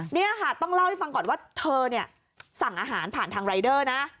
นี่ค่ะต้องเล่าให้ฟังก่อนว่าเธอเนี่ยสั่งอาหารผ่านทางรายเดอร์นะ